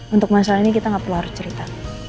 untuk masalah ini kita nggak perlu harus cerita